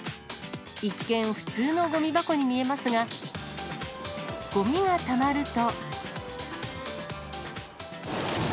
一見、普通のごみ箱に見えますが、ごみがたまると。